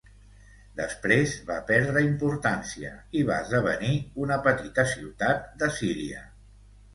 Després, va perdre importància i va esdevenir una petita ciutat de Síria.